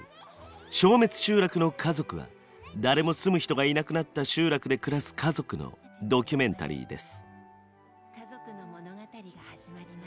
「消滅集落の家族」は誰も住む人がいなくなった集落で暮らす家族のドキュメンタリーです。